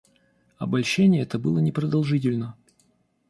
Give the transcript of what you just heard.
Обольщение это было непродолжительно.